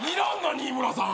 新村さん！